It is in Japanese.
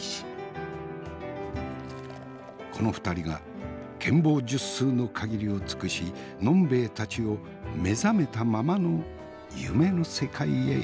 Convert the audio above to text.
この２人が権謀術数の限りを尽くし呑兵衛たちを目覚めたままの夢の世界へいざなってくれる。